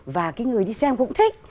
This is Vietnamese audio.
và cái người đi xem cũng thích